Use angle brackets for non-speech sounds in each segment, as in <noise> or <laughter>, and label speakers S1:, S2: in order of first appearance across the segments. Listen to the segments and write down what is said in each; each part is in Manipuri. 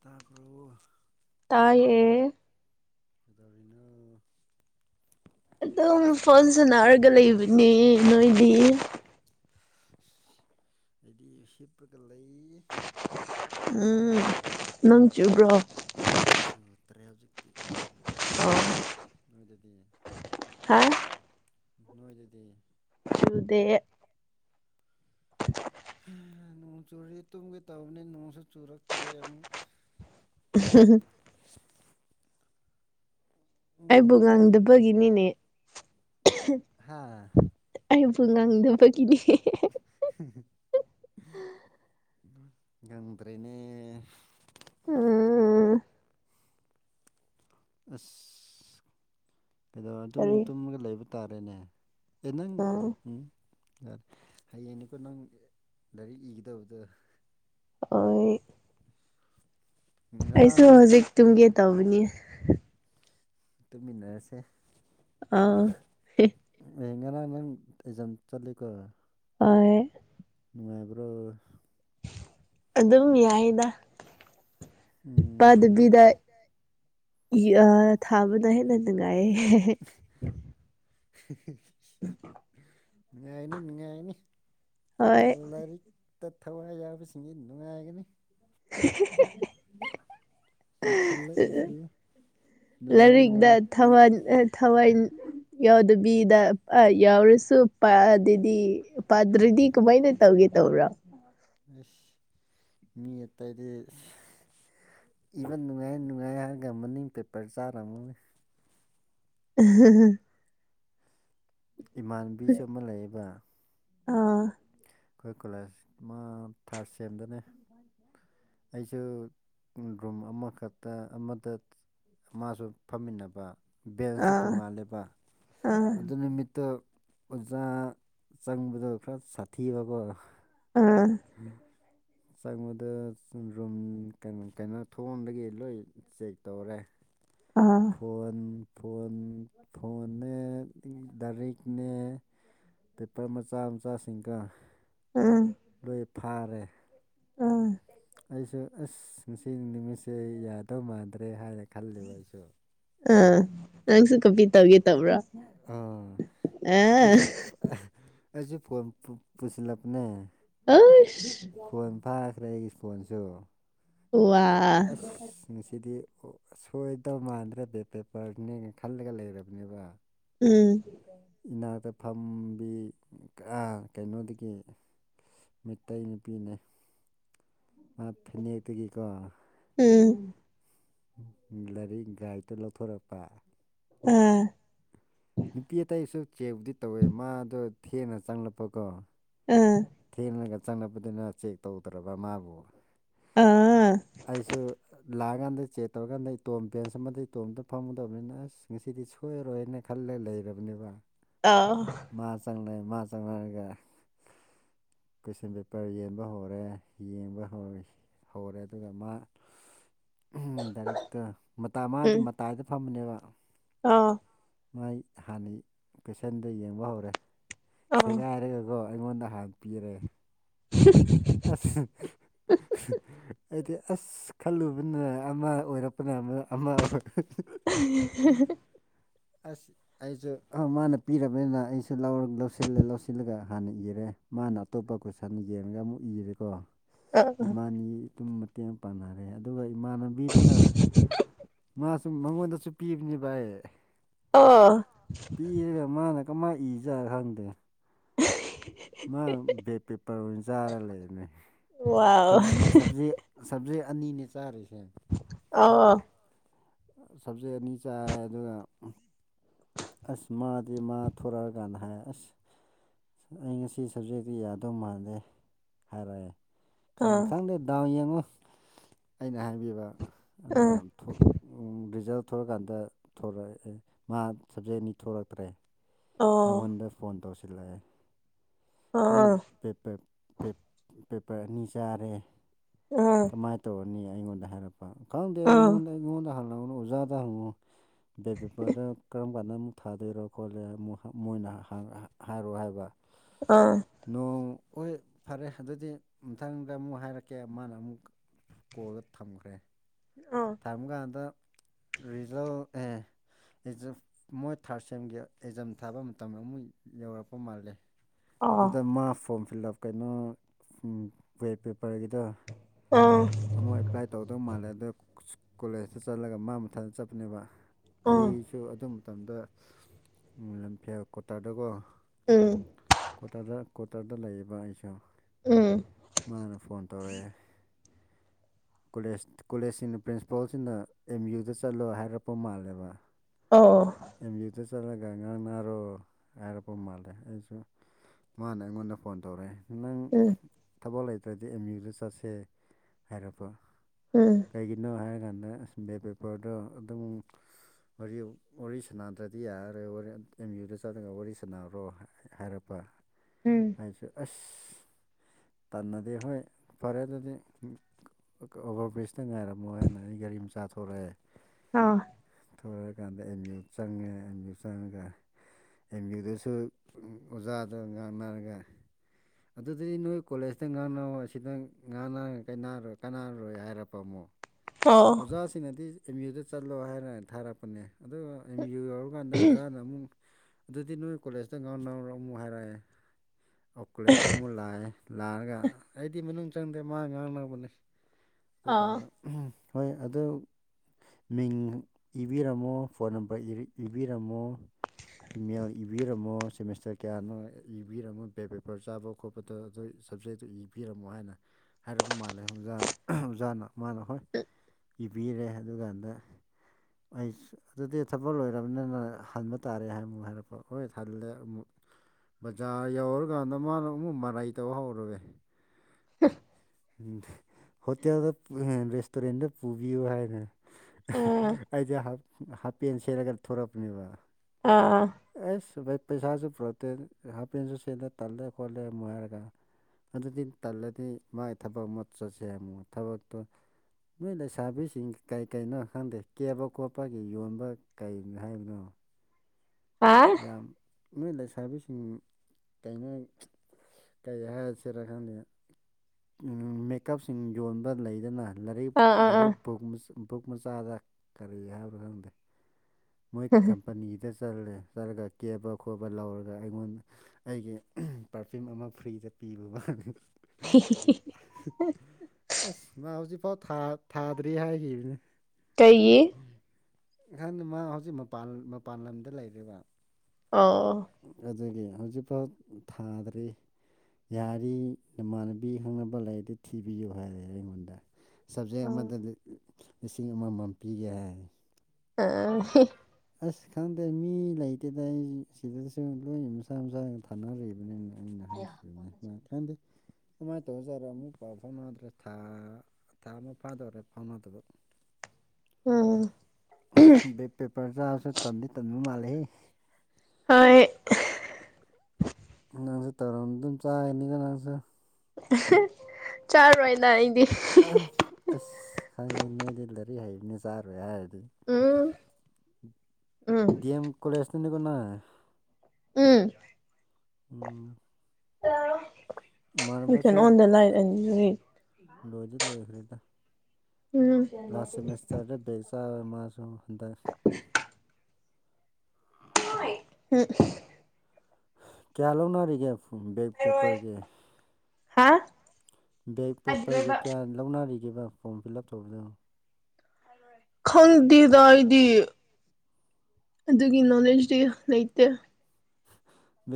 S1: ꯇꯥꯕꯔꯣ
S2: ꯇꯥꯏꯌꯦ
S1: ꯀꯩꯗꯧꯔꯤꯅꯣ
S2: ꯑꯗꯨꯝ ꯐꯣꯟ ꯁꯥꯟꯅꯔꯒ ꯂꯩꯕꯅꯤ ꯅꯣꯏꯗꯤ
S1: ꯑꯩꯗꯤ ꯍꯣꯞꯄꯒ ꯂꯩ
S2: ꯎꯝ ꯅꯣꯡ ꯆꯨꯕ꯭ꯔꯣ
S1: ꯆꯨꯗꯔꯦ ꯍꯧꯖꯤꯛꯇꯤ
S2: ꯑꯣ
S1: ꯅꯣꯏꯗꯗꯤ
S2: ꯍꯥ
S1: ꯅꯣꯏꯗꯗꯤ
S2: ꯆꯨꯗꯦꯌꯦ
S1: ꯅꯣꯡ ꯆꯨꯔꯗꯤ ꯇꯨꯝꯒꯦ ꯇꯧꯕꯅꯤ ꯅꯣꯡꯁꯨ ꯆꯨꯔꯛꯇ꯭ꯔꯦ ꯑꯃꯨꯛ
S2: <unintelligible>
S1: <unintelligible>
S2: ꯑꯩꯕꯨ
S1: ꯎꯝ
S2: ꯉꯪꯗꯕꯒꯤꯅꯤꯅꯦ <unintelligible>
S1: ꯍꯥꯥ
S2: ꯑꯩ ꯐꯨꯜ ꯉꯥꯡꯗꯕꯒꯤꯅꯦ
S1: <unintelligible> ꯉꯝꯗꯔꯦꯅꯦ
S2: ꯎꯝ
S1: ꯏꯁ ꯀꯩꯗꯧ ꯑꯗꯨꯝ
S2: ꯀꯔꯤ
S1: ꯇꯨꯝꯃꯒ ꯂꯩꯕ ꯇꯥꯔꯦꯅꯦ ꯑꯦ ꯅꯪ
S2: ꯑꯥ
S1: ꯌꯥꯔꯦ ꯍꯌꯦꯡꯅꯦꯀꯣ ꯅꯪ ꯂꯥꯏꯔꯤꯛ ꯏꯒꯗꯕꯗ
S2: ꯍꯣꯏ ꯑꯩꯁꯨ
S1: ꯉꯔꯥꯡ
S2: ꯍꯧꯖꯤꯛ ꯇꯨꯝꯒꯦ ꯇꯧꯕꯅꯤ
S1: ꯇꯨꯃꯤꯟꯅꯔꯁꯦ
S2: ꯑꯥ
S1: ꯑꯏ ꯉꯔꯥꯡ ꯅꯪ ꯑꯩꯖꯝ ꯆꯠꯂꯤꯀꯣ
S2: ꯍꯣꯏ
S1: ꯅꯨꯡꯉꯥꯏꯕ꯭ꯔꯣ
S2: ꯑꯗꯨꯝ ꯌꯥꯏꯗ
S1: ꯎꯝ
S2: ꯋꯥꯗꯕꯤꯗ ꯊꯥꯕꯅ ꯍꯦꯟꯅ ꯅꯨꯡꯉꯥꯏꯌꯦ
S1: <unintelligible>
S2: <unintelligible>
S1: ꯅꯨꯡꯉꯥꯏꯅꯤ ꯅꯨꯡꯉꯥꯏꯅꯤ
S2: ꯍꯣꯏ
S1: ꯂꯥꯏꯔꯤꯛ ꯇ ꯊꯋꯥꯏ ꯌꯥꯕꯁꯤꯡꯁꯤ ꯅꯨꯡꯉꯥꯏꯒꯅꯤ
S2: <unintelligible>
S1: ꯏꯁꯤꯜꯂꯣ ꯏꯁꯤꯜꯂꯣ ꯅꯨꯡꯉꯥꯏ
S2: ꯂꯥꯏꯔꯤꯛꯛꯇ
S1: ꯅꯨꯡꯉꯥꯏ
S2: ꯊꯋꯥꯟ ꯊꯋꯥꯏ ꯌꯎꯗꯕꯤꯗ ꯑ ꯌꯥꯎꯁꯨ ꯄꯥꯗꯗꯤ ꯄꯗ꯭ꯔꯗꯤ ꯀꯃꯥꯏꯅ ꯇꯧꯒꯦ ꯇꯧꯕꯔꯥ
S1: ꯑꯩꯁ ꯃ‌ꯦꯠꯇꯗꯤ ꯏꯕ ꯅꯨꯡꯉꯥꯏꯌꯦ ꯅꯨꯡꯉꯥꯏꯌꯦ ꯍꯥꯏꯔꯒ ꯃꯅꯤꯡ ꯄꯦꯄꯔ ꯆꯥꯔꯝꯃꯅꯦ
S2: <unintelligible>
S1: ꯏꯃꯥꯟꯕꯤꯁꯨ ꯑꯃ ꯂꯩꯌꯦꯕ
S2: ꯑꯥ
S1: ꯑꯩꯈꯣꯏ ꯀꯂꯦꯖ ꯃꯥ ꯊꯥꯔꯁ ꯁꯦꯝꯗꯅꯦ ꯑꯩꯁꯨ ꯒꯨꯔꯝ ꯑꯃꯈꯛꯇ ꯑꯃꯠꯇ ꯃꯥꯁꯨ ꯐꯝꯃꯤꯟꯅꯕ ꯕꯦꯜꯁꯤ
S2: ꯑꯥ
S1: ꯇꯣꯡꯉꯥꯜꯂꯦꯕ
S2: ꯑꯥ
S1: ꯑꯗꯨ
S2: ꯑꯥ
S1: ꯅꯨꯃꯤꯠꯇꫭ ꯑꯣꯖꯥ ꯆꯪꯕꯗꯣ ꯈꯔ ꯁꯥꯊꯤꯔꯕ
S2: ꯑꯥ
S1: ꯎꯝ ꯆꯪꯕꯗ ꯔꯨꯝ ꯀꯩ ꯀꯩꯅꯣ ꯊꯣꯡꯗꯒꯤ ꯂꯣꯏ ꯆꯦꯛ ꯇꯧꯔꯦ
S2: ꯑꯥ
S1: ꯐꯣꯟ ꯐꯣꯟ ꯐꯣꯟꯅꯦ ꯇꯥꯔꯤꯛꯅꯦ ꯄꯦꯄꯔ ꯃꯆꯥ ꯃꯆꯥꯁꯤꯡꯒ
S2: ꯎꯝ
S1: <unintelligible> ꯐꯥꯔꯦ
S2: ꯎꯝ
S1: ꯑꯩꯁꯨ ꯑꯁ ꯉꯁꯤ ꯅꯨꯃꯤꯠꯁꯦ ꯌꯥꯗꯧ ꯃꯥꯟꯗ꯭ꯔꯦ ꯍꯥꯏꯅ ꯈꯜꯂꯦꯕ ꯑꯩꯁꯨ
S2: ꯑꯥ ꯅꯪꯁꯨ ꯀꯣꯕꯤ ꯇꯕꯒꯦ ꯇꯧꯕ꯭ꯔ
S1: ꯎꯝ ꯑꯩꯁꯨ ꯑꯥ ꯑꯩꯁꯨ ꯐꯣꯟ ꯄꯨ ꯄꯨꯁꯤꯜꯂꯄꯅꯦ
S2: ꯑꯩꯁ
S1: ꯐꯣꯟ ꯐꯥꯈ꯭ꯔꯦ ꯑꯩꯒꯤ ꯐꯣꯟꯁꯨ
S2: ꯋꯥ ꯋꯥ
S1: ꯁꯤꯗꯤ ꯁꯣꯏꯗꯕ ꯃꯥꯟꯗ꯭ꯔꯕ ꯄꯦꯄꯔꯅꯦꯅ ꯈꯜꯂꯒ ꯂꯩꯔꯕꯅꯦꯕ
S2: ꯎꯝ
S1: ꯏꯅꯥꯛꯇ ꯐꯝꯕꯤ ꯀꯩꯅꯣꯗꯒꯤ ꯃꯩ ꯅꯨꯄꯤꯅꯦ ꯃꯥ ꯐꯅꯦꯛꯇꯒꯤꯀꯣ
S2: ꯎꯝ
S1: ꯂꯥꯏꯔꯤꯛ ꯒꯥꯏꯗ ꯂꯧꯊꯣꯔꯛꯄ
S2: ꯎꯝ
S1: ꯅꯨꯄꯤ ꯑꯇꯩꯁꯨ ꯆꯦꯛꯕꯨꯗꯤ ꯇꯧꯋꯦ ꯃꯥꯗꯣ ꯊꯦꯅ ꯆꯪꯂꯛꯄꯀꯣ
S2: ꯑꯥ
S1: ꯊꯦꯜꯂꯒ ꯆꯪꯅꯕꯗꯨꯅ ꯆꯦꯛ ꯇꯧꯗ꯭ꯔꯕ ꯃꯥꯕꯨ
S2: ꯑꯥ
S1: ꯑꯩꯁꯨ ꯂꯥꯛꯑꯀꯥꯟꯗ ꯆꯦꯛ ꯇꯧꯔꯀꯥꯟꯗ ꯏꯇꯣꯝ ꯕꯦꯟꯁ ꯑꯃꯗ ꯏꯇꯣꯝꯗ ꯐꯪꯉꯨꯗꯕꯅꯤꯅ ꯑꯁ ꯉꯁꯤꯗꯤ ꯁꯣ ꯁꯣꯏꯔꯣꯏꯅ ꯈꯜꯂꯒ ꯂꯩꯔꯕꯅꯦꯕ
S2: ꯑꯥ
S1: ꯃꯥ ꯆꯪꯂ‌ꯦ ꯃꯥ ꯆꯪꯅꯔꯒ ꯀꯣꯏꯁꯟ ꯄꯦꯄꯔ ꯌꯦꯟꯕ ꯍꯧꯔꯦ ꯌꯦꯡꯕ ꯍꯧꯋꯦ ꯍꯧꯔꯦ ꯑꯗꯨꯒ ꯃꯥ <unintelligible> ꯃꯥꯗꯤ
S2: ꯎꯝ
S1: ꯃꯇꯥꯏꯗ ꯐꯝꯕꯅꯦꯕ
S2: ꯑꯥ
S1: ꯃꯣꯏ ꯍꯥꯟꯅꯩ ꯀꯣꯁꯦꯟꯗ ꯌꯦꯡꯕ ꯍꯧꯔꯦ
S2: ꯑꯥ ꯑꯥ
S1: ꯁꯦꯒꯥꯏꯔꯒꯀꯣ ꯑꯩꯉꯣꯟꯗ ꯍꯥꯟ ꯄꯤꯔꯦ
S2: ꯁ
S1: ꯑꯁ <inaudible> ꯑꯩꯗꯤ ꯑꯁ ꯈꯜꯂꯨꯕꯅ ꯑꯃ ꯑꯣꯏꯔꯛꯄꯅ ꯑꯃ ꯑꯣꯏ ꯑꯁ ꯑꯩꯁꯨ ꯃꯥꯅ ꯄꯤꯔꯕꯅꯤꯅ ꯑꯩꯁꯨ ꯂꯧꯁꯤꯜꯂꯦ ꯂꯧꯁꯤꯜꯂꯒ ꯍꯥꯟꯅ ꯏꯔꯦ ꯃꯥꯅ ꯑꯇꯣꯞꯄ ꯀꯣꯏꯁꯟ ꯌꯦꯡꯉꯒ ꯑꯃꯨꯛ ꯏꯔꯦꯀꯣ ꯏꯃꯥꯅꯤ ꯑꯗꯨꯨꯝ ꯃꯇꯦꯡ ꯄꯥꯟꯅꯔꯦ ꯑꯗꯨꯒ ꯏꯃꯥꯟꯅꯕꯤꯗꯨꯅ ꯃꯥ ꯁꯨꯝ ꯃꯉꯣꯟꯗꯁꯨ ꯄꯤꯕꯅꯦ ꯚꯥꯏ
S2: ꯑꯥ
S1: ꯄꯤꯔꯒ ꯃꯥꯅ ꯀꯃꯥꯏꯅ ꯏꯖꯥ ꯈꯪꯗꯦ
S2: <unintelligible>
S1: ꯃꯥ ꯕꯦꯒ ꯄꯦꯄꯔ ꯑꯣꯏꯅ ꯆꯥꯔ ꯂꯩꯕꯅꯦ
S2: ꯋꯥꯎ
S1: ꯁꯕꯖꯤ ꯁꯕꯖꯦꯛ ꯑꯅꯤꯅꯦ ꯆꯥꯔꯤꯁꯦ
S2: ꯑ
S1: ꯁꯞꯖꯦꯛ ꯑꯅꯤ ꯆꯥꯏ ꯑꯗꯨꯒ ꯑꯁ ꯃꯥꯗꯤ ꯃꯥ ꯊꯣꯔꯥꯔꯒꯥꯟ ꯍꯥꯏ ꯑꯁ ꯑꯩ ꯉꯁꯤ ꯁꯕꯖꯦꯛꯇꯤ ꯌꯥꯗꯧ ꯃꯥꯟꯗꯦ ꯍꯥꯏꯔꯛꯑꯦ ꯈꯪ
S2: ꯑꯥ
S1: ꯈꯪꯗꯦ ꯗꯥꯎꯟ ꯌꯦꯡꯉꯨ ꯑꯩꯅ ꯍꯥꯏꯕꯤꯕ ꯑꯗꯨꯒ ꯔꯤꯖꯜ ꯊꯂꯀꯥꯟꯗꯛ ꯃꯥ ꯁꯕꯖꯦꯛ ꯑꯅꯤ ꯊꯂꯛꯇ꯭ꯔꯦ ꯑꯩꯉꯣꯟꯗ ꯐꯣꯟ ꯇꯧꯁꯤꯜꯂꯛꯑꯦ ꯑꯩ ꯄꯦꯄꯔ ꯑꯅꯤ ꯆꯥꯔꯦ
S2: ꯑꯥ
S1: ꯁꯃꯥꯏꯅ ꯇꯧꯔꯅꯤ ꯑꯩꯉꯣꯟꯗ ꯍꯥꯏꯔꯛꯄ ꯈꯪꯗꯦ ꯑꯩꯉꯣꯟꯗ ꯑꯩꯉꯣꯟꯗ ꯍꯪꯂꯛꯎꯅ ꯑꯣꯖꯥꯗ ꯍꯪꯉꯨ ꯕꯦꯞ ꯄꯦꯄꯔꯗ ꯀꯔꯝ ꯀꯥꯟꯗ ꯑꯃꯨꯛ ꯊꯥꯗꯣꯏꯔꯣ ꯈꯣꯠꯂꯦ ꯃꯣꯏꯅ ꯍꯥꯏꯔꯣꯑꯣ ꯍꯥꯏꯕ
S2: ꯑꯥ
S1: ꯅꯣꯡ ꯍꯣꯏ ꯐꯔꯦ ꯑꯗꯨꯗꯤ ꯃꯊꯪꯗ ꯑꯃꯨꯛ ꯍꯥꯏꯔꯛꯀꯦ ꯃꯥꯅ ꯑꯃꯨꯛ ꯀꯣꯛꯑꯒ ꯊꯝꯈ꯭ꯔꯦ
S2: ꯑ
S1: ꯀꯔꯝ ꯀꯥꯟꯗ ꯔꯤꯖꯅꯦꯜ ꯑꯦ ꯑꯦꯖꯝ ꯃꯣꯏ ꯊꯥꯔꯠ ꯁꯦꯝꯒꯤ ꯑꯦꯛꯖꯥꯝ ꯊꯥꯕ ꯃꯇꯝꯗ ꯑꯃꯨꯛ ꯌꯧꯔꯛꯄ ꯃꯥꯜꯂꯦ ꯑꯗꯨꯗ ꯃꯥ ꯐꯣꯔꯝ ꯐꯤꯜ ꯑꯞ ꯀꯩꯅꯣ ꯋꯦꯠ ꯄꯦꯄꯔꯒꯤꯗ
S2: ꯑꯥ
S1: ꯑꯃꯨꯛ ꯑꯦꯄ꯭ꯂꯥꯏ ꯇꯧꯒꯗꯧ ꯃꯥꯜꯂꯦ ꯑꯗ ꯀꯣꯂꯦꯖꯇ ꯆꯠꯂꯒ ꯃꯥ ꯃꯊꯥꯗ ꯆꯠꯄꯅꯦꯕ ꯑꯩꯁꯨ ꯑꯗꯨ ꯃꯇꯝꯗ ꯂꯝꯐꯌꯥ ꯀ꯭ꯋꯥꯇꯥꯔꯗꯀꯣ ꯀꯇꯥꯔꯗ ꯀ꯭ꯋꯥꯇꯥꯔꯗ ꯂꯩꯔꯤꯕ ꯑꯩꯁꯨ ꯃꯥꯅ ꯐꯣꯟ ꯇꯧꯔꯛꯑꯦ ꯀꯣꯂꯦꯖ ꯀꯣꯂꯦꯖꯁꯤꯅ ꯄ꯭ꯔꯤꯟꯁꯤꯄꯥꯜꯁꯤꯅ ꯑꯦꯝ ꯌꯨꯗ ꯆꯠꯂꯣ ꯍꯥꯏꯔꯛꯄ ꯃꯥꯜꯂꯦꯕ
S2: ꯑꯣ ꯑꯣ
S1: ꯑꯦꯝ ꯌꯨꯗ ꯆꯠꯂꯒ ꯉꯥꯡ ꯔꯣ ꯍꯥꯏꯔꯛꯄ ꯃꯥꯜꯂꯦ ꯑꯩꯁꯨ ꯃꯥꯅ ꯑꯩꯉꯣꯟꯗ ꯐꯣꯟ ꯇꯧꯔꯛꯑꯦ ꯅꯪ ꯊꯕꯛ ꯂꯩꯇ꯭ꯔꯗꯤ ꯑꯦꯝ ꯌꯨꯗ ꯆꯠꯁꯦ ꯍꯥꯏꯔꯛꯄ
S2: ꯎꯝ
S1: ꯀꯩꯅꯣ ꯍꯥꯏꯔ ꯀꯥꯟꯗ ꯕꯦ ꯄꯦꯄꯔꯗꯣ ꯑꯗꯨꯝ ꯁꯥꯅꯗ꯭ꯔꯗꯤ ꯌꯥꯔꯔꯣꯏ ꯑꯦꯝ ꯌꯨꯗ ꯆꯠꯂꯒ ꯋꯥꯔꯤ ꯁꯥꯅꯔꯣ ꯍꯥꯏꯔꯞꯄ
S2: ꯎꯝ
S1: ꯍꯥꯏꯁꯦ ꯑꯁ ꯇꯟꯅꯗꯤ ꯍꯣꯏ ꯐꯔꯦ ꯑꯗꯨꯗꯤ ꯑꯣꯚꯔ ꯕ꯭ꯔꯤꯖꯇ ꯉꯥꯏꯔꯝ ꯃꯣ ꯍꯦꯟꯅ ꯑꯩ ꯒꯥꯔꯤ ꯃꯆꯥꯥꯊꯣꯔꯛꯑꯦ
S2: ꯑꯥ
S1: ꯊꯣꯔꯛꯑꯀꯥꯟꯗ ꯑꯦꯝ ꯌꯨ ꯆꯪꯉꯦ ꯑꯦꯝ ꯌꯨ ꯆꯪꯉꯒ ꯑꯦꯝ ꯌꯕꯤꯨꯗꯁꯨ ꯑꯣꯖꯥꯗ ꯉꯥꯡꯅꯔꯒ ꯑꯗꯨꯗꯤ ꯅꯣꯏ ꯀꯣꯂꯦꯖꯇ ꯉꯥꯡꯅ ꯑꯁꯤꯗ ꯉꯥꯡ ꯀꯔꯣꯏ ꯀꯥꯟꯅꯔꯔꯣꯏ ꯍꯥꯏꯔꯛꯄ ꯑꯃꯨꯛ ꯑꯣꯖꯥꯁꯤꯡꯅꯗꯤ ꯑꯦꯝ ꯌꯨꯗ ꯆꯠꯂꯣ ꯍꯥꯏꯔ ꯊꯥꯔꯛꯄꯅꯦ ꯑꯗꯨꯒ ꯑꯦꯝ ꯌꯨ ꯌꯥꯎꯔꯀꯥꯟꯗ ꯑꯣꯖꯥꯅ ꯑꯃꯨꯛ ꯑꯗꯨꯗꯤ ꯅꯣꯏ ꯀꯣꯂꯦꯖꯇ ꯉꯥꯡꯅꯧꯔꯣ ꯑꯃꯨꯛ ꯍꯥꯏꯔꯛꯑꯦ ꯀꯣꯂꯦꯖꯇ ꯑꯃꯨꯛ ꯂꯥꯛꯑꯦ ꯂꯥꯛꯑꯒ ꯑꯩꯗꯤ ꯃꯅꯨꯡ ꯆꯪꯗꯦ ꯃꯥ ꯉꯥꯡꯕꯅꯦ ꯑꯗꯨꯀꯥꯟꯗ ꯍꯣꯏ ꯑꯗꯨ ꯃꯤꯡ ꯏꯕꯤꯔꯝꯃꯣ ꯐꯣꯟ ꯅꯝꯕꯔ ꯏꯕꯤꯔꯝꯃꯣ ꯏꯃꯦꯜ ꯏꯕꯤꯔꯝꯃꯣ ꯁꯦꯃꯤꯁꯇꯔ ꯀꯌꯥꯅꯣ ꯏꯕꯤꯔꯝꯃꯣ ꯕꯦꯛ ꯄꯦꯄꯔ ꯆꯥꯕ ꯈꯣꯠꯄꯗ ꯑꯗꯨ ꯁꯕꯖꯦꯛꯇꯨ ꯌꯦꯡꯕꯤꯔꯝꯃꯣ ꯍꯥꯏꯅ ꯍꯥꯏꯔꯛꯄ ꯃꯥꯜꯂꯦ ꯑꫭꯖꯥꯅ ꯑꯣꯖꯥꯅ ꯃꯥꯅ ꯍꯣꯏ
S2: <unintelligible>
S1: ꯏꯕꯤꯔꯦ ꯑꯗꯨꯀꯥꯟꯗ ꯑꯩ ꯑꯗꯨꯗꯤ ꯊꯕꯛ ꯂꯣꯏꯔꯕꯅꯤꯅ ꯍꯟꯕ ꯇꯥꯔꯦ ꯍꯥꯏ ꯑꯃꯨꯛ ꯍꯥꯏꯔꯛꯄ ꯍꯣꯏ ꯍꯜꯂꯦ ꯑꯃꯨꯛ ꯕꯖꯥꯔ ꯌꯧꯔꯀꯥꯟꯗ ꯃꯥꯅ ꯑꯃꯨꯛ ꯃꯔꯩ ꯇꯧ ꯍꯧꯔꯛꯔꯦ
S2: <inaudible>
S1: ꯍꯣꯇꯦꯜꯗ ꯔꯦꯁꯇꯨꯔꯦꯟꯗ ꯄꯨꯕꯤꯌꯨ ꯍꯥꯏꯅ ꯑꯩꯁꯦ ꯍꯥꯞ ꯍꯥꯄꯦꯟ ꯁꯦꯠꯂꯒ ꯊꯣꯔꯛꯄꯅꯦꯕ
S2: ꯑꯥ ꯑꯥ
S1: ꯑꯦꯁ ꯄꯩꯁꯥꯁꯨ ꯄꯨꯔꯛꯇꯦ ꯍꯥꯐꯦꯟꯁꯨ ꯁꯦꯠꯂꯦ ꯇꯜꯂꯦ ꯈꯣꯠꯂꯦ ꯑꯃ ꯍꯥꯏꯔꯒ ꯑꯗꯨꯗꯤ ꯇꯜꯂꯗꯤ ꯃꯥꯥꯏ ꯊꯕꯛ ꯃꯣꯠ ꯆꯠꯁꯦ ꯑꯃꯨꯛ ꯊꯕꯛꯇꯣ ꯅꯣꯏ ꯂꯩꯁꯥꯕꯤꯁꯤꯡ ꯀꯩ ꯀꯔꯤꯩꯅꯣ ꯈꯪꯗꯦ ꯀꯦꯕ ꯈꯣꯠꯄꯒꯤ ꯌꯣꯟꯕ ꯀꯩꯅꯣ ꯍꯥꯏꯕꯅꯣ ꯌꯥꯝ ꯅꯣꯏ ꯂꯩꯁꯔꯕꯤꯁꯤꯡ ꯀꯩꯅꯣ ꯀꯩ ꯍꯥꯏꯔꯁꯤꯔ ꯈꯪꯗ ꯃꯦꯀꯞꯁꯤꯡ ꯌꯣꯟꯕ ꯂꯩꯗꯅ ꯂꯥꯏꯔꯤꯛ ꯂꯥꯏꯔꯤꯛ ꯕꯨꯛ ꯕꯨꯛ ꯃꯆꯥꯗ ꯀꯔꯤ ꯍꯥꯏꯕ꯭ꯔꯣ ꯈꯪꯗꯦ ꯃꯣꯏ ꯀꯝꯄꯅꯤꯒꯤꯗ ꯆꯠꯂꯦ ꯆꯠꯂꯒ ꯀꯦꯕ ꯈꯣꯠꯄ ꯂꯧꯔꯒ ꯑꯩꯉꯣꯟ ꯑꯩꯒꯤ ꯄꯥꯔꯐ꯭ꯌꯨꯝ ꯑꯃ ꯐ꯭ꯔꯤꯗ ꯄꯤꯕ ꯑꯁ ꯃꯥ ꯍꯧꯖꯤꯛꯐꯥꯎ ꯊꯥ ꯊꯥꯗ꯭ꯔꯤ ꯍꯥꯏꯈꯤꯕꯅꯤ
S2: <unintelligible>
S1: ꯏ ꯃꯥ ꯍꯧꯖꯤꯛ ꯃꯄꯥꯟ ꯃꯄꯥꯟ ꯂꯝꯗ ꯂꯩꯔꯤꯕꯔꯤꯕ
S2: ꯑ
S1: ꯑꯗꯨꯗꯒꯤ ꯍꯧꯖꯤꯛꯐꯥꯎ ꯊꯥꯗ꯭ꯔꯤ ꯌꯥꯔꯤ ꯅꯃꯥꯟꯅꯕꯤ ꯈꯪꯅꯕ ꯂꯩꯥꯏꯔꯤꯛꯇ ꯊꯤꯕꯤꯌꯨ ꯍꯥꯏꯔꯦ ꯑꯩꯉꯣꯟꯗ ꯁꯕꯖꯦꯛ ꯑꯃꯗ ꯂꯤꯁꯤꯡ ꯑꯃꯃꯝ ꯄꯤꯒꯦ ꯍꯥꯏ
S2: ꯑ
S1: ꯑꯁ ꯈꯪꯗꯦ ꯃꯤ ꯂꯩꯇꯦꯗ ꯑꯩ ꯁꯤꯗꯁꯨ ꯂꯣꯏ ꯃꯁꯥ ꯃꯁꯥꯒ ꯊꯥꯅꯔꯤꯕꯅꯤꯅ ꯈꯅꯥꯏ ꯈꯥꯟꯗꯦ ꯀꯃꯥꯏꯅ ꯇꯧꯖꯔ ꯑꯃꯨꯛ ꯄꯥꯎ ꯐꯥꯎꯅꯗ꯭ꯔꯦ ꯊꯥ ꯊꯥ ꯑꯃ ꯐꯥꯗꯧꯔꯦ ꯐꯥꯎꯅꯗꯕ
S2: ꯎꯝ
S1: ꯕꯦꯞ ꯄꯦꯄꯔ ꯆꯥꯔꯁꯨ ꯇꯟꯗꯤ ꯇꯟꯕ ꯃꯥꯂꯦꯍꯦ
S2: ꯍꯣꯏ
S1: ꯅꯥꯡꯁꯦ ꯇꯔꯝ ꯑꯗꯨꯝ ꯆꯥꯏꯅꯤꯒ ꯅꯪꯁꯨ
S2: <unintelligible> ꯆꯥꯔꫭꯏꯅ ꯑꯩꯗꯤ
S1: ꯑ ꯑꯁ ꯈꯪꯉꯦ ꯅꯣꯏꯗꯤ ꯂꯥꯏꯔꯤꯛ ꯍꯩꯕꯅꯤ ꯆꯥꯔꯣꯏ ꯍꯥꯏꯔꯤꯗꯨꯅꯤ
S2: ꯎꯝ ꯎꯝ
S1: ꯗꯤꯑꯦꯝ ꯀꯂꯦꯖꯅꯦꯅꯤꯀꯣ ꯅꯪ
S2: ꯎꯝ
S1: ꯎꯝ
S2: ꯑ
S1: ꯏꯃꯥꯟꯅꯕꯁꯨ ꯂꯣꯏꯗꯤ ꯂꯣꯏ ꯈꯔꯤꯗꯥ
S2: ꯎꯝ
S1: ꯂꯥꯁ ꯁꯦꯃꯤꯁꯇꯔꯗ ꯦꯦꯛ ꯆ ꯃꯥꯔꯁꯨ ꯑꯗ
S2: <inaudible> ꯎꯝ
S1: ꯀꯌꯥ ꯂꯧꯅꯔꯤꯒꯦꯞ ꯕꯦꯛ ꯄꯦꯄꯔꯒꯤ
S2: ꯍꯥ
S1: ꯕꯦꯛ ꯄꯦꯄꯔꯒꯤ ꯀꯌꯥ ꯂꯧꯅꯔꯤꯈꯤꯕ ꯐꯣꯔꯝ ꯐꯤꯜ ꯑꯞ ꯇꯧꯕꯗ
S2: ꯈꯪꯗꯦꯗ ꯑꯩꯗꯤ ꯑꯗꯨꯒꯤ ꯅꯣꯂꯦꯖꯇꯤ ꯂꯩꯇꯦ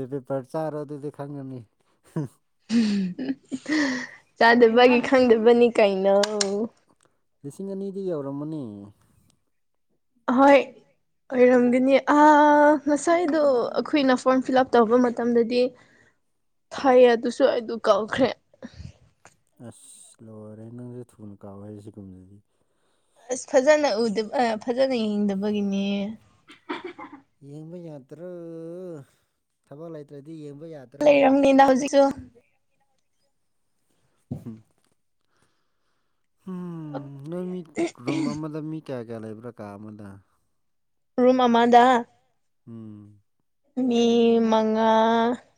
S1: ꯄꯦ ꯄꯔ ꯆꯥꯔꯣ ꯑꯗꯨꯗꯤ ꯈꯪꯉꯅꯤ
S2: ꯆꯥꯗꯕꯒꯤ ꯈꯪꯗꯕꯅꯤ ꯀꯩꯅꯣ
S1: ꯂꯤꯁꯤꯡ ꯑꯅꯤꯗꯤ ꯌꯧꯔꯝꯃꯅꯤ
S2: ꯍꯣꯏ ꯑꯣꯏꯔꯝꯒꯅꯤ ꯑ ꯉꯁꯥꯏꯗꯣ ꯑꯩꯈꯣꯏꯅ ꯐꯣꯔꯝ ꯐꯤꯜ ꯑꯞ ꯇꯧꯕ ꯃꯇꯝꯗꯗꯤ
S1: <inaudible>
S2: ꯐꯩ ꯑꯗꯨꯁꯨ ꯑꯩꯗꯨ ꯀꯧꯈ꯭ꯔꯦ
S1: ꯑꯁ ꯂꯣꯏꯔꯦ ꯅꯪꯁꯨ ꯊꯨꯅ ꯀꯥꯎꯋꯦꯁꯦ ꯁꯤꯒꯨꯝꯕꯗꯗꯤ
S2: ꯑꯁ ꯐꯖꯅ ꯎꯗ ꯐꯖꯅ ꯍꯤꯡꯗꯕꯒꯤꯅꯦ
S1: ꯌꯦꯡꯕ ꯌꯥꯗ꯭ꯔꯣ ꯊꯕꯛ ꯂꯩꯇ꯭ꯔꯗꯤ ꯌꯦꯡꯕ ꯌꯥꯗ
S2: ꯂꯩꯔꯝꯅꯤꯅ ꯍꯧꯖꯤꯛꯁꯨ
S1: ꯎꯝ ꯎꯝ ꯅꯣꯏ ꯃꯤ ꯔꯨꯝ ꯑꯃꯗ ꯃꯤ ꯀꯌꯥ ꯀꯌꯥ ꯂꯩꯕ꯭ꯔꯥ ꯀꯥ ꯑꯃꯗ
S2: ꯔꯨꯝ ꯑꯃꯥꯗ
S1: ꯎꯝ
S2: ꯃꯤ ꯃꯉꯥ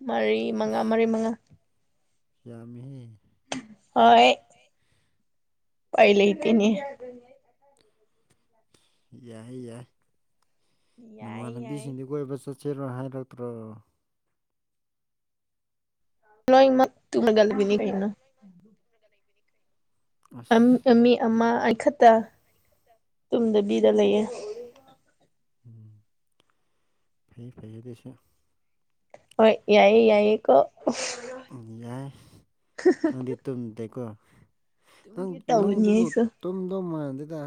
S2: ꯃꯔꯤ ꯃꯉꯥ ꯃꯔꯤ ꯃꯉꯥ
S1: ꯌꯥꯃꯤꯍꯤ
S2: ꯍꯣꯏ ꯄꯥꯏ ꯂꯩ ꯏꯇꯅꯤ
S1: ꯌꯥꯏ ꯌꯥꯏ
S2: ꯌꯥꯏ ꯌꯥꯏ
S1: ꯅꯃꯥꯟꯅꯕꯤꯁꯤꯡꯗꯤ ꯀꯣꯏꯕ ꯆꯠꯁꯤꯔꯣ ꯍꯥꯏꯔꯛꯇ꯭ꯔꯣ
S2: <unintelligible> ꯑꯝ
S1: ꯑꯁ
S2: ꯑꯝꯃꯤ ꯑꯃ ꯑꯩ ꯑꯩꯈꯠꯇ ꯇꯨꯝꯗꯕꯤꯗ ꯂꯩꯌꯦ꯫
S1: ꯎꯝ ꯐꯩ ꯐꯩꯌꯦ ꯑꯗꯨꯁꯨ꯫
S2: ꯍꯣꯏ ꯌꯥꯏꯌꯦ ꯌꯥꯏꯌꯦ ꯀꯣ꯫
S1: ꯌꯥꯏ ꯅꯪꯗꯤ ꯇꯨꯝꯗꯦꯀꯣ ꯅꯪ
S2: ꯇꯧꯕꯅꯤ
S1: ꯅꯪꯁꯨ
S2: ꯑꯩꯁꯨ
S1: ꯇꯨꯝꯗꯧ ꯃꯥꯟꯗꯦꯗ꯫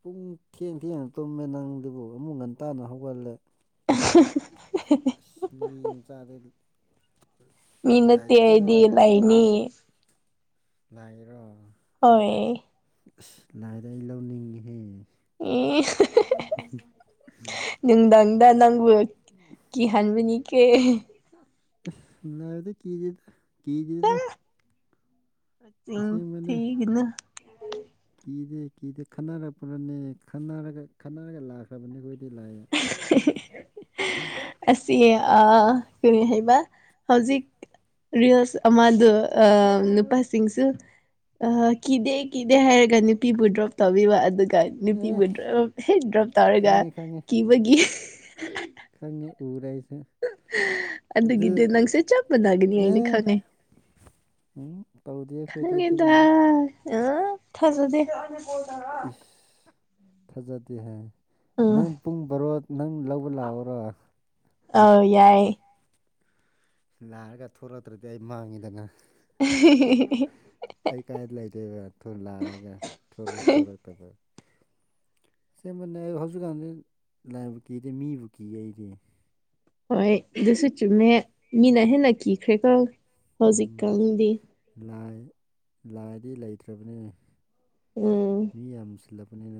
S1: ꯄꯨꯡ ꯊꯦꯡ ꯊꯦꯡ ꯇꯨꯝꯃꯦ ꯅꯪꯗꯨꯕꯨ ꯑꯃꯨꯛ ꯉꯟꯇꯥꯅ ꯍꯧꯒꯜꯂꯦ꯫
S2: <unintelligible>
S1: ꯃꯤ ꯃꯆꯗꯤ <unintelligible>
S2: ꯃꯤ ꯅꯠꯇꯦ ꯑꯩꯗꯤ ꯂꯥꯏꯅꯤ꯫
S1: ꯂꯥꯏꯔꯣ꯫
S2: ꯍꯣꯏ
S1: ꯑꯁ ꯂꯥꯏꯗ ꯑꯩ ꯂꯧꯅꯤꯡꯉꯤꯍꯦ
S2: ꯎ ꯅꯨꯡꯗꯪꯗ ꯅꯪꯕ ꯀꯤꯍꯟꯕꯅꯤ ꯀꯦ
S1: ꯁꯅꯥꯕꯗ ꯀ ꯆꯦꯂ ꯀ ꯆꯦꯗ
S2: ꯑ ꯊꯤꯒꯅꯦ
S1: ꯀꯤꯗꯦ ꯀꯤꯗꯦ ꯈꯟꯅꯔꯛꯄ꯭ꯔꯅꯦ ꯈꯟꯅꯔꯒ ꯈꯠꯟꯅꯔꯒ ꯂꯥꯛꯈ꯭ꯔꯕꯅꯤ ꯑꯩꯈꯣꯏꯗꯤ ꯂꯥꯛꯑꯦ
S2: <inaudible>
S1: ꯎꯝ
S2: ꯑꯁꯤ ꯑ ꯀꯔꯤ ꯍꯥꯏꯕ ꯍꯧꯖꯤꯛ ꯔꯤꯁ ꯑꯃꯗꯨ ꯅꯨꯄꯥꯁꯤꯡꯁꯨ꯫ ꯑ ꯀꯤꯗꯦ ꯀꯤꯗꯦ ꯍꯥꯏꯔꯒ ꯅꯨꯄꯤꯕꯨ ꯗ꯭ꯔꯣꯞ ꯇꯧꯕꯤꯕ ꯑꯗꯨꯒ꯫
S1: ꯑꯦ
S2: ꯅꯨꯄꯤꯕꯨ ꯗ꯭ꯔꯣꯞ ꯍꯦꯛ ꯗ꯭ꯔꯣꯞ ꯇꯧꯔꯒ
S1: ꯈꯪꯉꯦ ꯈꯪꯉꯦ
S2: ꯀꯤꯕꯒꯤ꯫
S1: ꯈꯪꯉꯦ ꯎꯔꯦ ꯑꯩꯁꯨ꯫ ꯑꯗꯨ
S2: ꯑꯗꯨꯒꯤꯗꯨ ꯅꯪꯁꯨ ꯆꯞ ꯃꯥꯟꯅꯒꯅꯤ ꯑꯩꯅ
S1: ꯑꯦ
S2: ꯈꯪꯉꯦ꯫
S1: ꯎꯝ ꯑꯧꯗꯤ꯫
S2: ꯈꯪꯉꯦꯗ ꯑ ꯊꯥꯖꯗꯦ꯫
S1: ꯏꯁ ꯊꯥꯖꯗꯦ ꯍꯥꯏ꯫
S2: ꯎꯝ
S1: ꯅꯪ ꯄꯨꯡ ꯕꯔꯣ ꯅꯪ ꯂꯧꯕ ꯂꯥꯛꯎꯔꯣ꯫
S2: ꯌꯥꯏꯌꯦ꯫
S1: ꯂꯥꯛꯑꯒ ꯊꯣꯛꯂꯛꯇ꯭ꯔꯗꯤ ꯑꯩ ꯃꯥꯡꯉꯤꯗꯅ꯫
S2: <unintelligible>
S1: ꯑꯩ ꯀꯥꯏꯗ ꯂꯩꯗꯣꯏꯕ ꯂꯥꯛꯑꯒ ꯊꯣꯔꯛꯁꯨ ꯊꯣꯔꯛꯇꯕꯗ꯫ ꯁꯦꯝꯕꯅꯦ ꯍꯧꯖꯤꯛꯀꯥꯟꯗꯤ ꯂꯥꯏꯕꯨ ꯀꯤꯗꯦ ꯃꯤꯕꯨ ꯀꯤꯌꯦ ꯑꯩꯗꯤ꯫
S2: ꯍꯣꯏ ꯑꯗꯨꯁꯨ ꯆꯨꯝꯃꯦ ꯃꯤꯅ ꯍꯦꯟꯅ ꯀꯤꯈ꯭ꯔꯦꯀꯣ
S1: ꯎꯝ
S2: ꯍꯧꯖꯤꯛꯀꯥꯟꯗꯤ꯫
S1: ꯂꯥꯏ ꯂꯥꯏꯗꯔꯤ ꯂꯩꯇ꯭ꯔꯕꯅꯦ꯫
S2: ꯎꯝ꯫
S1: ꯃꯤ ꯌꯥꯝꯁꯤꯜꯂꯛꯄꯅꯤꯅ꯫